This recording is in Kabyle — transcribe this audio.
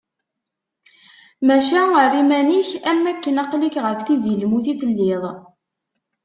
Maca, err iman-ik am akken aqli-k ɣef tizi lmut i telliḍ.